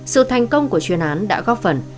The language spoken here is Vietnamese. sự thành công của chuyên án đã góp phần